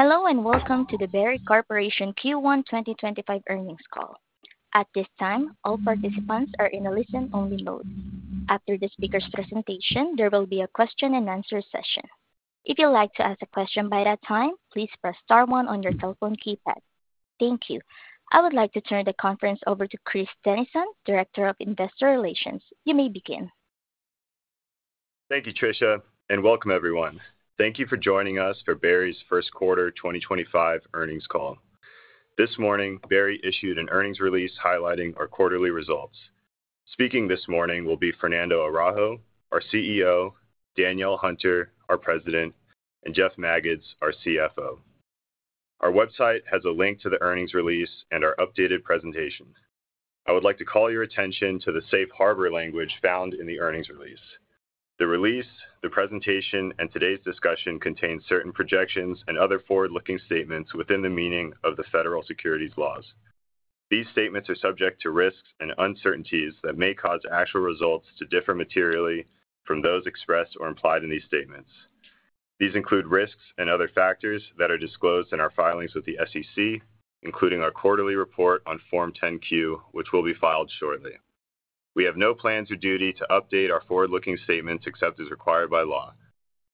Hello and welcome to the Berry Corporation Q1 2025 Earnings Call. At this time, all participants are in a listen-only mode. After the speaker's presentation, there will be a question-and-answer session. If you'd like to ask a question by that time, please press star one on your cell phone keypad. Thank you. I would like to turn the conference over to Chris Denison, Director of Investor Relations. You may begin. Thank you, Tricia, and welcome, everyone. Thank you for joining us for Berry's first quarter 2025 earnings call. This morning, Berry issued an earnings release highlighting our quarterly results. Speaking this morning will be Fernando Araujo, our CEO; Danielle Hunter, our President; and Jeff Magids, our CFO. Our website has a link to the earnings release and our updated presentation. I would like to call your attention to the safe harbor language found in the earnings release. The release, the presentation, and today's discussion contain certain projections and other forward-looking statements within the meaning of the federal securities laws. These statements are subject to risks and uncertainties that may cause actual results to differ materially from those expressed or implied in these statements. These include risks and other factors that are disclosed in our filings with the SEC, including our quarterly report on Form 10-Q, which will be filed shortly. We have no plans or duty to update our forward-looking statements except as required by law.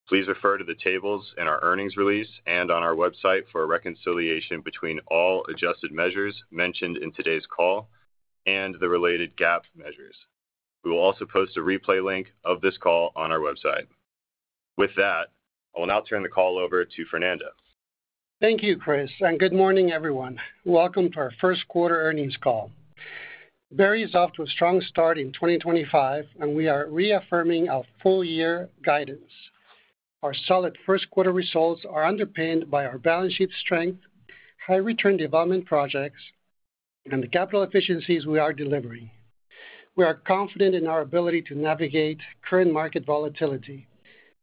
Please refer to the tables in our earnings release and on our website for a reconciliation between all adjusted measures mentioned in today's call and the related GAAP measures. We will also post a replay link of this call on our website. With that, I will now turn the call over to Fernando. Thank you, Chris, and good morning, everyone. Welcome to our first quarter earnings call. Berry is off to a strong start in 2025, and we are reaffirming our full-year guidance. Our solid first quarter results are underpinned by our balance sheet strength, high-return development projects, and the capital efficiencies we are delivering. We are confident in our ability to navigate current market volatility,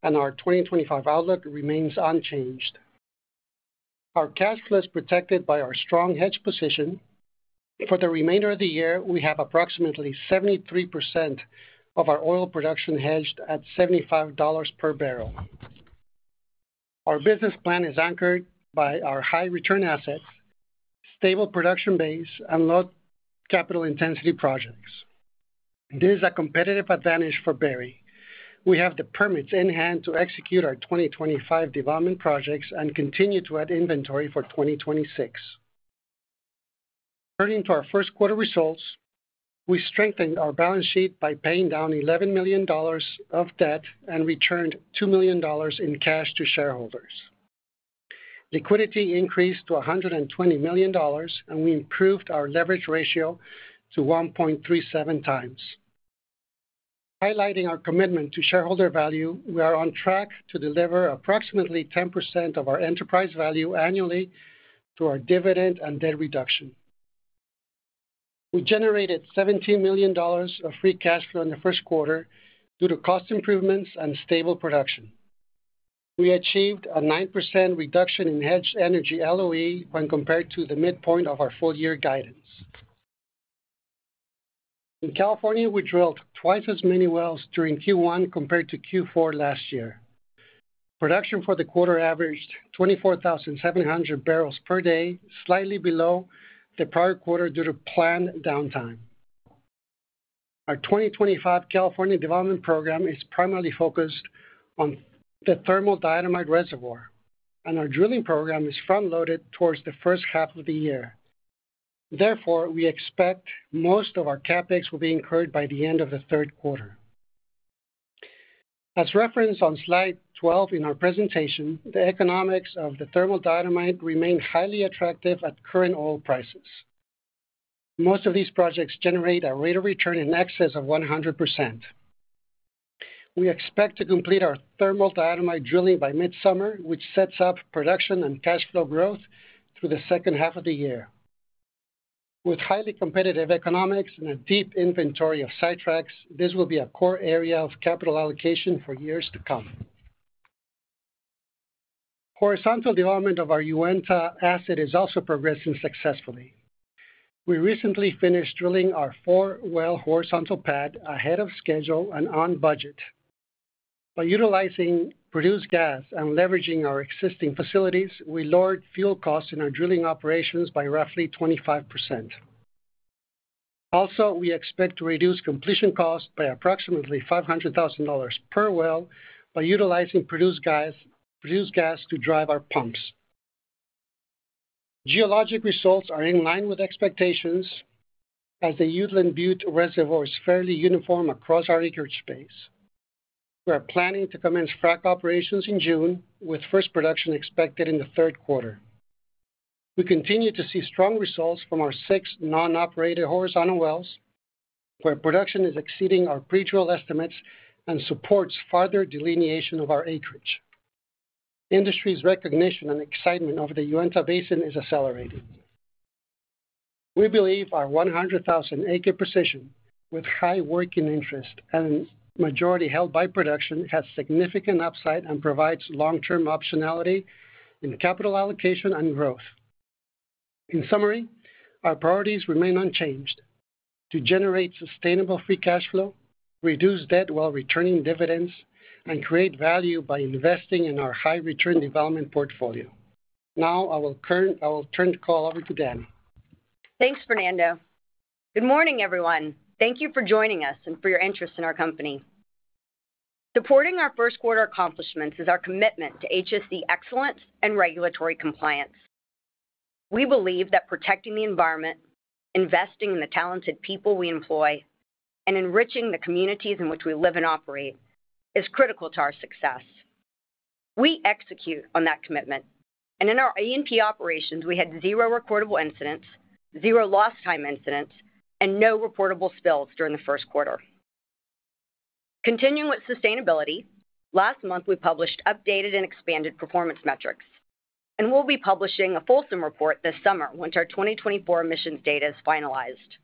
and our 2025 outlook remains unchanged. Our cash flow is protected by our strong hedge position. For the remainder of the year, we have approximately 73% of our oil production hedged at $75 per barrel. Our business plan is anchored by our high-return assets, stable production base, and low capital intensity projects. This is a competitive advantage for Berry. We have the permits in hand to execute our 2025 development projects and continue to add inventory for 2026. Turning to our first quarter results, we strengthened our balance sheet by paying down $11 million of debt and returned $2 million in cash to shareholders. Liquidity increased to $120 million, and we improved our leverage ratio to 1.37x. Highlighting our commitment to shareholder value, we are on track to deliver approximately 10% of our enterprise value annually through our dividend and debt reduction. We generated $17 million of free cash flow in the first quarter due to cost improvements and stable production. We achieved a 9% reduction in hedged energy LOE when compared to the midpoint of our full-year guidance. In California, we drilled twice as many wells during Q1 compared to Q4 last year. Production for the quarter averaged 24,700 bbl per day, slightly below the prior quarter due to planned downtime. Our 2025 California Development Program is primarily focused on the thermal diatomite reservoir, and our drilling program is front-loaded towards the first half of the year. Therefore, we expect most of our CapEx will be incurred by the end of the third quarter. As referenced on slide 12 in our presentation, the economics of the thermal diatomite remain highly attractive at current oil prices. Most of these projects generate a rate of return in excess of 100%. We expect to complete our thermal diatomite drilling by mid-summer, which sets up production and cash flow growth through the second half of the year. With highly competitive economics and a deep inventory of sidetracks, this will be a core area of capital allocation for years to come. Horizontal development of our Uinta asset is also progressing successfully. We recently finished drilling our four-well horizontal pad ahead of schedule and on budget. By utilizing produced gas and leveraging our existing facilities, we lowered fuel costs in our drilling operations by roughly 25%. Also, we expect to reduce completion costs by approximately $500,000 per well by utilizing produced gas to drive our pumps. Geologic results are in line with expectations as the Uteland Butte reservoir is fairly uniform across our acreage base. We are planning to commence frack operations in June, with first production expected in the third quarter. We continue to see strong results from our six non-operated horizontal wells, where production is exceeding our pre-drill estimates and supports further delineation of our acreage. Industry's recognition and excitement over the Uinta Basin is accelerating. We believe our 100,000-acre position, with high working interest and majority held by production, has significant upside and provides long-term optionality in capital allocation and growth. In summary, our priorities remain unchanged: to generate sustainable free cash flow, reduce debt while returning dividends, and create value by investing in our high-return development portfolio. Now, I will turn the call over to Danny. Thanks, Fernando. Good morning, everyone. Thank you for joining us and for your interest in our company. Supporting our first quarter accomplishments is our commitment to HSE excellence and regulatory compliance. We believe that protecting the environment, investing in the talented people we employ, and enriching the communities in which we live and operate is critical to our success. We execute on that commitment, and in our E&P operations, we had zero recordable incidents, zero lost-time incidents, and no reportable spills during the first quarter. Continuing with sustainability, last month we published updated and expanded performance metrics, and we'll be publishing a fulsome report this summer once our 2024 emissions data is finalized.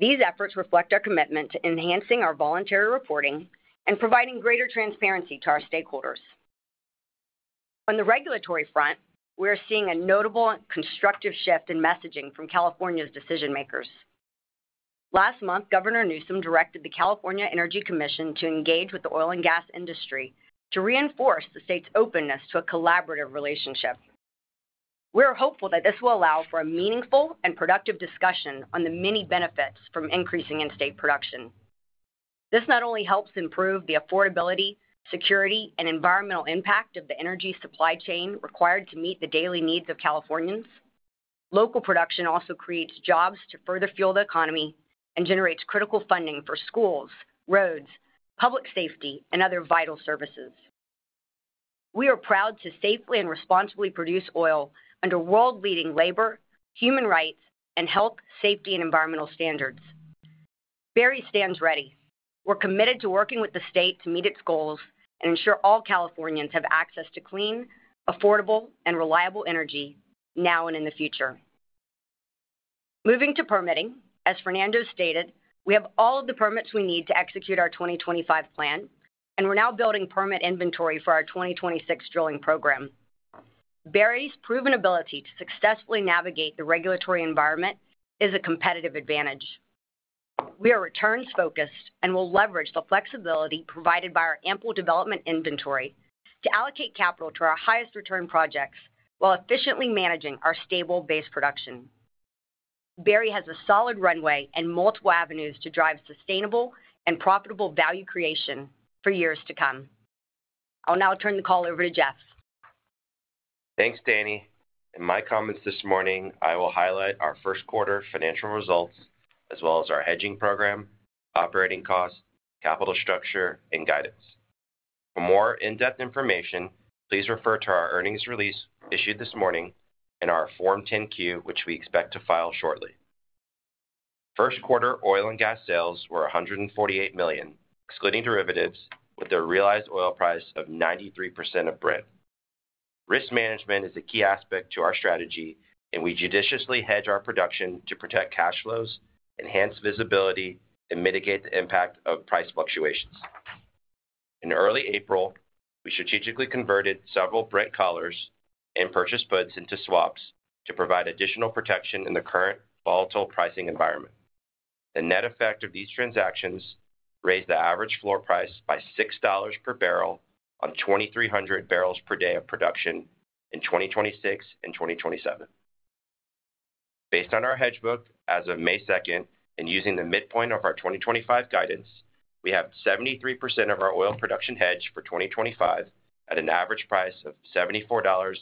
These efforts reflect our commitment to enhancing our voluntary reporting and providing greater transparency to our stakeholders. On the regulatory front, we are seeing a notable and constructive shift in messaging from California's decision-makers. Last month, Governor Newsom directed the California Energy Commission to engage with the oil and gas industry to reinforce the state's openness to a collaborative relationship. We are hopeful that this will allow for a meaningful and productive discussion on the many benefits from increasing in-state production. This not only helps improve the affordability, security, and environmental impact of the energy supply chain required to meet the daily needs of Californians. Local production also creates jobs to further fuel the economy and generates critical funding for schools, roads, public safety, and other vital services. We are proud to safely and responsibly produce oil under world-leading labor, human rights, and health, safety, and environmental standards. Berry stands ready. We're committed to working with the state to meet its goals and ensure all Californians have access to clean, affordable, and reliable energy now and in the future. Moving to permitting, as Fernando stated, we have all of the permits we need to execute our 2025 plan, and we're now building permit inventory for our 2026 drilling program. Berry's proven ability to successfully navigate the regulatory environment is a competitive advantage. We are returns-focused and will leverage the flexibility provided by our ample development inventory to allocate capital to our highest-return projects while efficiently managing our stable base production. Berry has a solid runway and multiple avenues to drive sustainable and profitable value creation for years to come. I'll now turn the call over to Jeff. Thanks, Danny. In my comments this morning, I will highlight our first quarter financial results, as well as our hedging program, operating costs, capital structure, and guidance. For more in-depth information, please refer to our earnings release issued this morning and our Form 10-Q, which we expect to file shortly. First quarter oil and gas sales were $148 million, excluding derivatives, with a realized oil price of 93% of Brent. Risk management is a key aspect to our strategy, and we judiciously hedge our production to protect cash flows, enhance visibility, and mitigate the impact of price fluctuations. In early April, we strategically converted several Brent collars and purchased puts into swaps to provide additional protection in the current volatile pricing environment. The net effect of these transactions raised the average floor price by $6 per bbl on 2,300 bbl per day of production in 2026 and 2027. Based on our hedge book as of May 2nd and using the midpoint of our 2025 guidance, we have 73% of our oil production hedged for 2025 at an average price of $74.69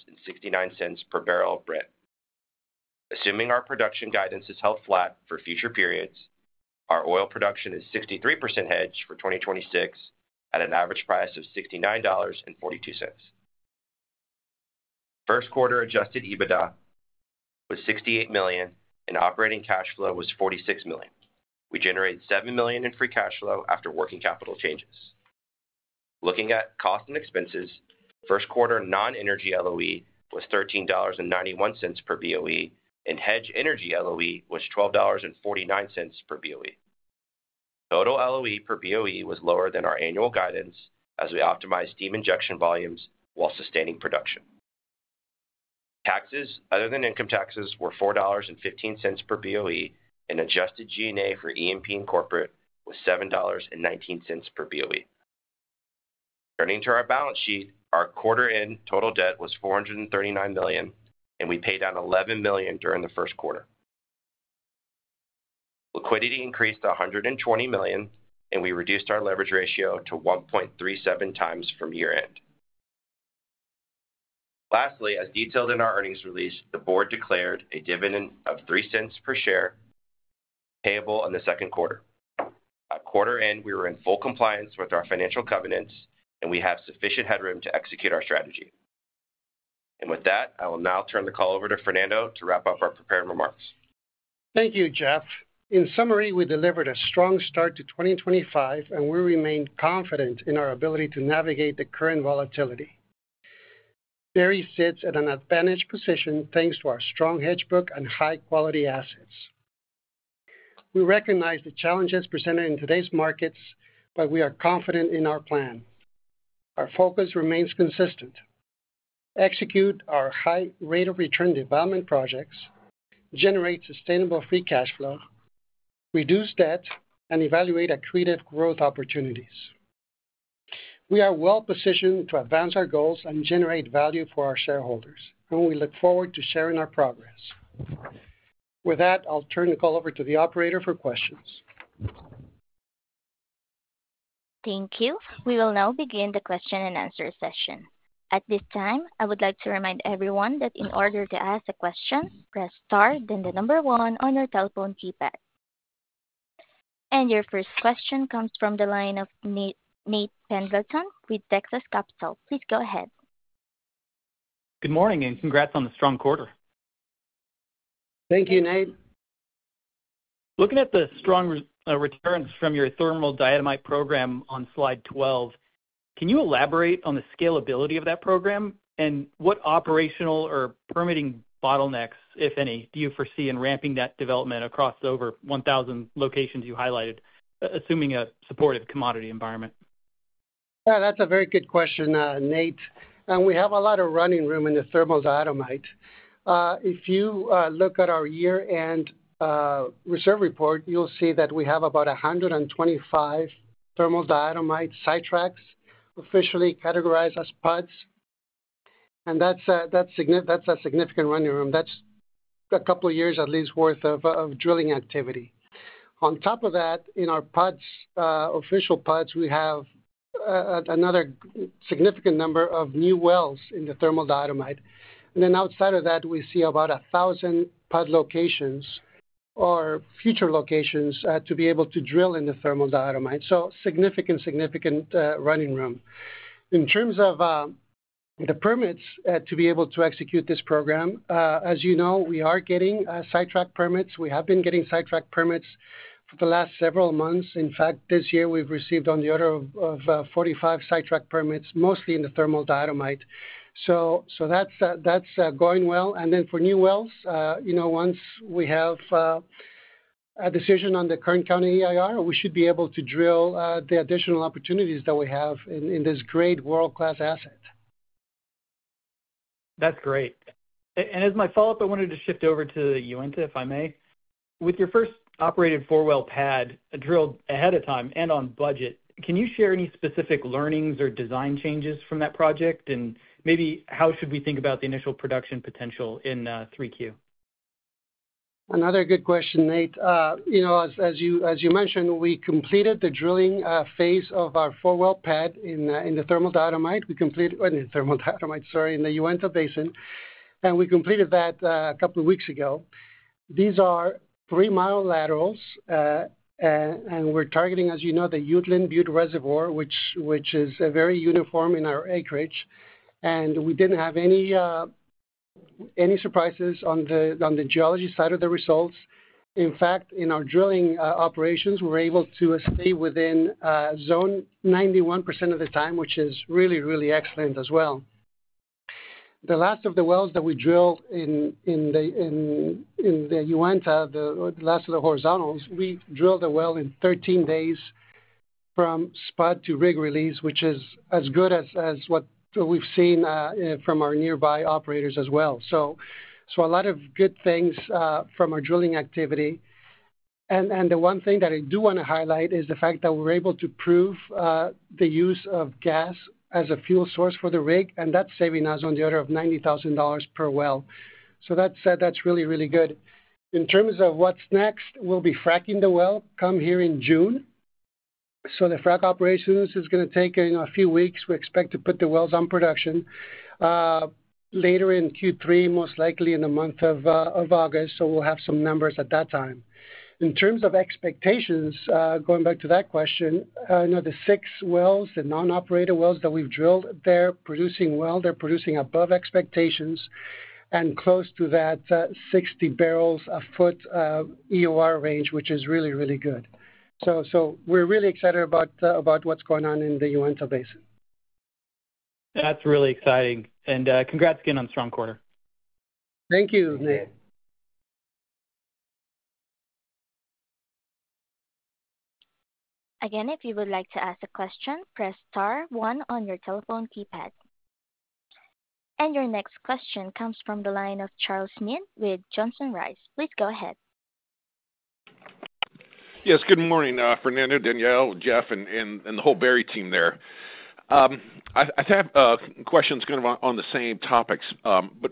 per bbl of Brent. Assuming our production guidance is held flat for future periods, our oil production is 63% hedged for 2026 at an average price of $69.42. First quarter adjusted EBITDA was $68 million, and operating cash flow was $46 million. We generated $7 million in free cash flow after working capital changes. Looking at cost and expenses, first quarter non-energy LOE was $13.91 per BOE, and hedged energy LOE was $12.49 per BOE. Total LOE per BOE was lower than our annual guidance as we optimized steam injection volumes while sustaining production. Taxes other than income taxes were $4.15 per BOE, and adjusted G&A for E&P and corporate was $7.19 per BOE. Turning to our balance sheet, our quarter-end total debt was $439 million, and we paid down $11 million during the first quarter. Liquidity increased to $120 million, and we reduced our leverage ratio to 1.37x from year-end. Lastly, as detailed in our earnings release, the board declared a dividend of $0.03 per share payable in the second quarter. At quarter-end, we were in full compliance with our financial covenants, and we have sufficient headroom to execute our strategy. With that, I will now turn the call over to Fernando to wrap up our prepared remarks. Thank you, Jeff. In summary, we delivered a strong start to 2025, and we remain confident in our ability to navigate the current volatility. Berry sits at an advantaged position thanks to our strong hedge book and high-quality assets. We recognize the challenges presented in today's markets, but we are confident in our plan. Our focus remains consistent: execute our high rate of return development projects, generate sustainable free cash flow, reduce debt, and evaluate accretive growth opportunities. We are well-positioned to advance our goals and generate value for our shareholders, and we look forward to sharing our progress. With that, I'll turn the call over to the operator for questions. Thank you. We will now begin the question and answer session. At this time, I would like to remind everyone that in order to ask a question, press star, then the number one on your telephone keypad. Your first question comes from the line of Nate Pendleton with Texas Capital. Please go ahead. Good morning, and congrats on the strong quarter. Thank you, Nate. Looking at the strong returns from your thermal diatomite program on slide 12, can you elaborate on the scalability of that program, and what operational or permitting bottlenecks, if any, do you foresee in ramping that development across over 1,000 locations you highlighted, assuming a supportive commodity environment? Yeah, that's a very good question, Nate. We have a lot of running room in the thermal diatomite. If you look at our year-end reserve report, you'll see that we have about 125 thermal diatomite sidetracks officially categorized as PUDs. That's a significant running room. That's a couple of years at least worth of drilling activity. On top of that, in our PUDs, official PUDs, we have another significant number of new wells in the thermal diatomite. Outside of that, we see about 1,000 PUD locations or future locations to be able to drill in the thermal diatomite. Significant, significant running room. In terms of the permits to be able to execute this program, as you know, we are getting sidetrack permits. We have been getting sidetrack permits for the last several months. In fact, this year, we've received on the order of 45 sidetrack permits, mostly in the thermal diatomite. That is going well. For new wells, once we have a decision on the Kern County EIR, we should be able to drill the additional opportunities that we have in this great world-class asset. That's great. As my follow-up, I wanted to shift over to Uinta, if I may. With your first operated four-well pad drilled ahead of time and on budget, can you share any specific learnings or design changes from that project, and maybe how should we think about the initial production potential in 3Q? Another good question, Nate. As you mentioned, we completed the drilling phase of our four-well pad in the thermal diatomite, sorry, in the Uinta Basin. We completed that a couple of weeks ago. These are 3 mi laterals, and we're targeting, as you know, the Uteland Butte reservoir, which is very uniform in our acreage. We did not have any surprises on the geology side of the results. In fact, in our drilling operations, we were able to stay within zone 91% of the time, which is really, really excellent as well. The last of the wells that we drilled in the Uinta, the last of the horizontals, we drilled the well in 13 days from spud to rig release, which is as good as what we've seen from our nearby operators as well. A lot of good things from our drilling activity. The one thing that I do want to highlight is the fact that we're able to prove the use of gas as a fuel source for the rig, and that's saving us on the order of $90,000 per well. That said, that's really, really good. In terms of what's next, we'll be fracking the well come here in June. The frack operations are going to take a few weeks. We expect to put the wells on production later in Q3, most likely in the month of August. We'll have some numbers at that time. In terms of expectations, going back to that question, the six wells, the non-operated wells that we've drilled, they're producing well. They're producing above expectations and close to that 60 bbl a ft EOR range, which is really, really good. We're really excited about what's going on in the Uinta Basin. That's really exciting. Congrats again on a strong quarter. Thank you, Nate. Again, if you would like to ask a question, press star one on your telephone keypad. Your next question comes from the line of Charles Meade with Johnson Rice. Please go ahead. Yes, good morning, Fernando, Danielle, Jeff, and the whole Berry team there. I have questions kind of on the same topics.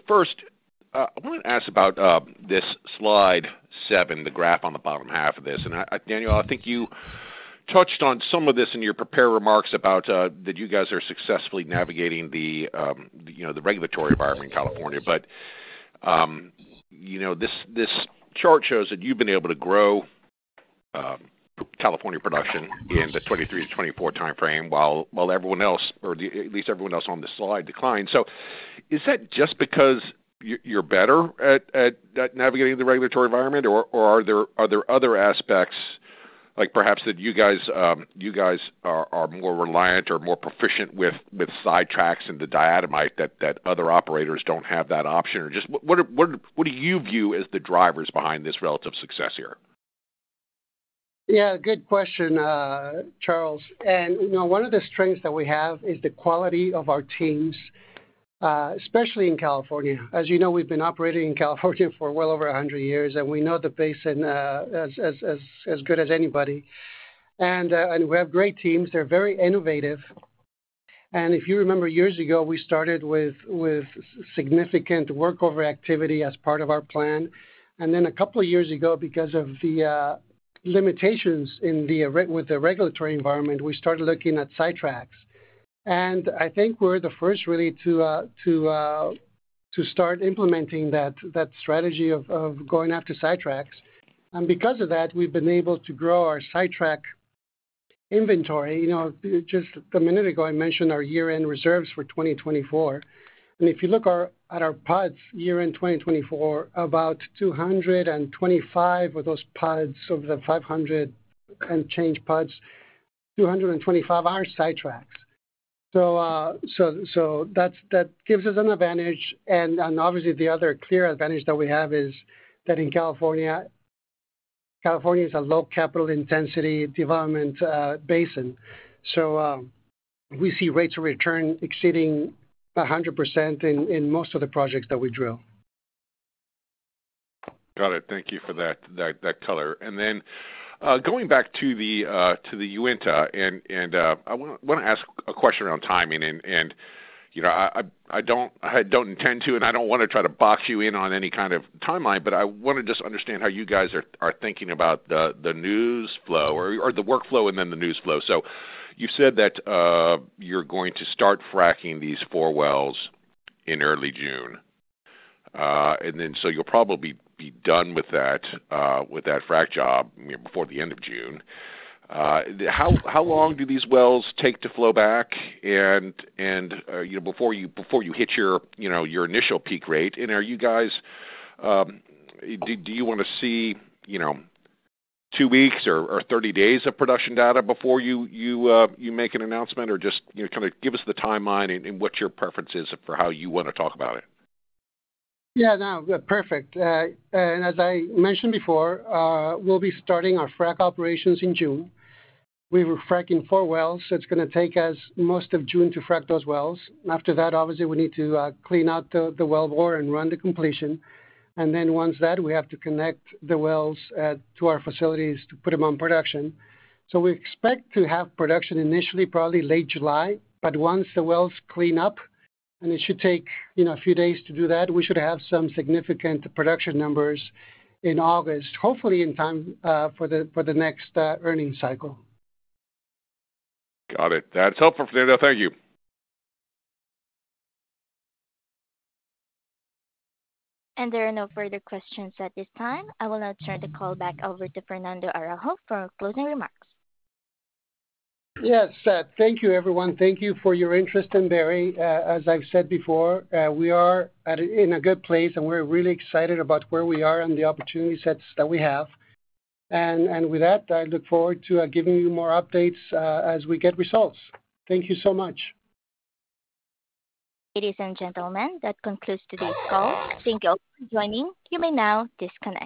First, I wanted to ask about this slide seven, the graph on the bottom half of this. Danielle, I think you touched on some of this in your prepared remarks about that you guys are successfully navigating the regulatory environment in California. This chart shows that you've been able to grow California production in the 2023 2024 timeframe while everyone else, or at least everyone else on the slide, declined. Is that just because you're better at navigating the regulatory environment, or are there other aspects, like perhaps that you guys are more reliant or more proficient with sidetracks and the diatomite that other operators do not have that option? What do you view as the drivers behind this relative success here? Yeah, good question, Charles. One of the strengths that we have is the quality of our teams, especially in California. As you know, we've been operating in California for well over 100 years, and we know the basin as good as anybody. We have great teams. They're very innovative. If you remember, years ago, we started with significant workover activity as part of our plan. A couple of years ago, because of the limitations with the regulatory environment, we started looking at sidetracks. I think we're the first really to start implementing that strategy of going after sidetracks. Because of that, we've been able to grow our sidetrack inventory. Just a minute ago, I mentioned our year-end reserves for 2024. If you look at our PUDs year-end 2024, about 225 of those PUDs, over the 500 and change PUDs, 225 are sidetracks. That gives us an advantage. Obviously, the other clear advantage that we have is that in California, California is a low capital intensity development basin. We see rates of return exceeding 100% in most of the projects that we drill. Got it. Thank you for that color. Going back to the Uinta, I want to ask a question around timing. I do not intend to, and I do not want to try to box you in on any kind of timeline, but I want to just understand how you guys are thinking about the news flow or the workflow and then the news flow. You have said that you are going to start fracking these four wells in early June. You will probably be done with that frack job before the end of June. How long do these wells take to flow back before you hit your initial peak rate? Do you want to see two weeks or 30 days of production data before you make an announcement, or just kind of give us the timeline and what your preference is for how you want to talk about it? Yeah, no, perfect. As I mentioned before, we'll be starting our frack operations in June. We are fracking four wells, so it's going to take us most of June to frack those wells. After that, obviously, we need to clean out the well bore and run the completion. Once that is done, we have to connect the wells to our facilities to put them on production. We expect to have production initially probably late July. Once the wells clean up, and it should take a few days to do that, we should have some significant production numbers in August, hopefully in time for the next earning cycle. Got it. That's helpful. Thank you. There are no further questions at this time. I will now turn the call back over to Fernando Araujo for closing remarks. Yes, thank you, everyone. Thank you for your interest in Berry. As I've said before, we are in a good place, and we're really excited about where we are and the opportunities that we have. With that, I look forward to giving you more updates as we get results. Thank you so much. Ladies and gentlemen, that concludes today's call. Thank you all for joining. You may now disconnect.